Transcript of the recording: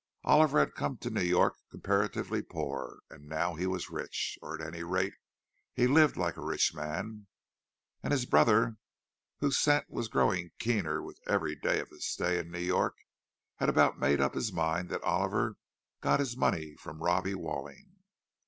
Oliver had come to New York comparatively poor, and now he was rich—or, at any rate, he lived like a rich man. And his brother, whose scent was growing keener with every day of his stay in New York, had about made up his mind that Oliver got his money from Robbie Walling.